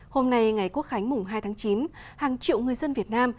hôm nay ngày quốc khánh mùng hai tháng chín hàng triệu người dân việt nam